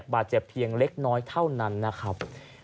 บาดเจ็บเพียงเล็กน้อยเท่านั้นนะครับ